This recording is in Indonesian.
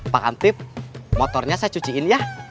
pak antip motornya saya cuciin ya